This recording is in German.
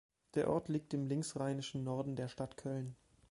Der Ort liegt im linksrheinischen Norden der Stadt Köln.